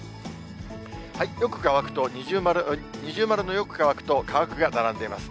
よく乾くと、二重丸のよく乾くと乾くが並んでいます。